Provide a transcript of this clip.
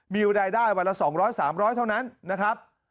มีรายได้วันละ๒๐๐๓๐๐เท่านั้นนะครับ